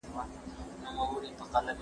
ایا تکړه پلورونکي پسته پلوري؟